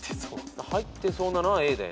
入ってそうなのはＡだよね。